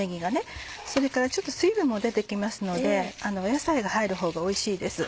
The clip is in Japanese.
それからちょっと水分も出て来ますので野菜が入るほうがおいしいです。